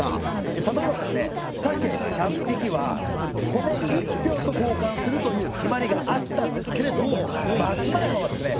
例えばですね鮭１００匹は米１俵とこうかんするという決まりがあったんですけれども松前藩はですね